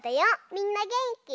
みんなげんき？